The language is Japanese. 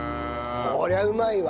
こりゃうまいわ。